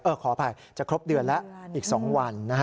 ขออภัยจะครบเดือนแล้วอีก๒วัน